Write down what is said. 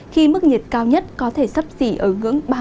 khi mức nhiệt cao nhất có thể sắp xỉ ở ngưỡng ba mươi chín độ